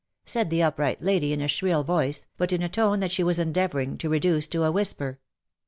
said J;he upright lady, in a shrill voice, but in a tone that she was endeavouring to reduce to a whisper.